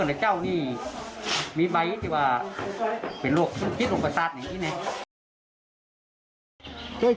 บันไดเยี่ยมมากเลย